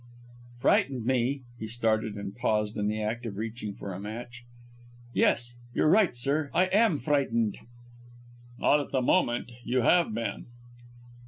"Frightened me!" He started, and paused in the act of reaching for a match. "Yes you're right, sir. I am frightened!" "Not at the moment. You have been."